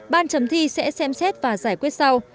ban chấm thi sẽ xem xét và giải quyết sau